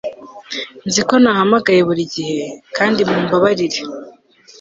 nzi ko ntahamagaye buri gihe, kandi mumbabarire